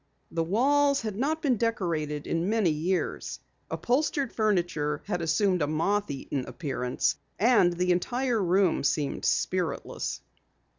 The walls had not been decorated in many years, upholstered furniture had assumed a moth eaten appearance, and the entire room seemed spiritless.